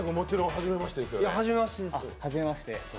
はじめましてです。